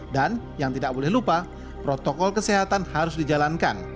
dan yang tidak boleh lupa protokol kesehatan harus dijalankan